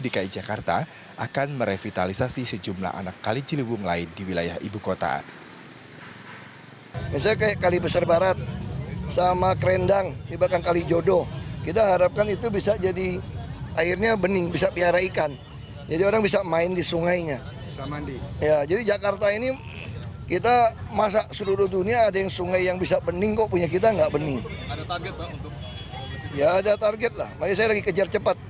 di ki jakarta akan merevitalisasi sejumlah anak kali ciliwung lain di wilayah ibu kota